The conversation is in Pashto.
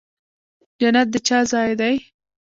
جنت د چا ځای دی؟